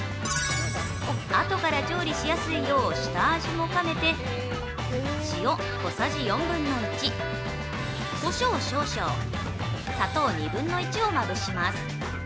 あとから調理しやすいよう下味も兼ねて塩小さじ４分の１、こしょう少々、砂糖２分の１をまぶします。